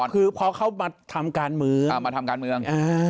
คือพอเขามาทำการเมือง